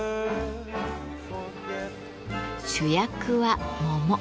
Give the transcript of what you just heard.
主役は桃。